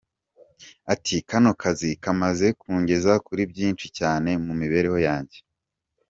Ati “Kano kazi kamaze kungeza kuri byinshi cyane mu mibereho yanjye.